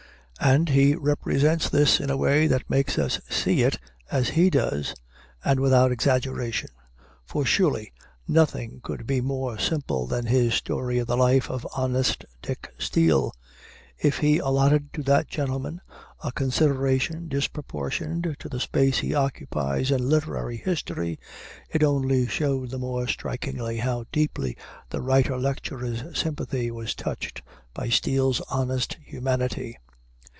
And he represents this in a way that makes us see it as he does, and without exaggeration; for surely nothing could be more simple than his story of the life of "honest Dick Steele." If he allotted to that gentleman a consideration disproportioned to the space he occupies in literary history, it only showed the more strikingly how deeply the writer lecturer's sympathy was touched by Steele's honest humanity.